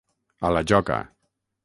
A la joca.